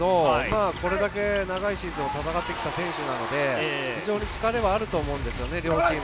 これだけ長いシーズンを戦ってきた選手なので疲れはあると思うんです、両チーム。